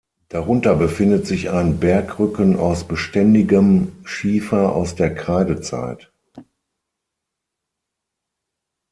Darunter befindet sich ein Bergrücken aus beständigem Schiefer aus der Kreidezeit.